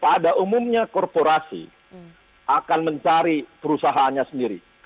pada umumnya korporasi akan mencari perusahaannya sendiri